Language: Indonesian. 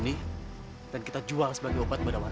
di sini ada denken mucha masalah